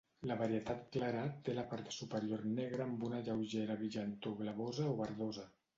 La varietat clara té la part superior negra amb una lleugera brillantor blavosa o verdosa.